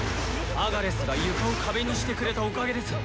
アガレスが床を壁にしてくれたおかげです。